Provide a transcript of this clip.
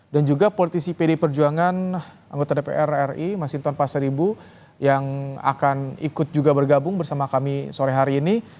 dan juga politisi pd perjuangan anggota dpr ri masinton pasaribu yang akan ikut juga bergabung bersama kami sore hari ini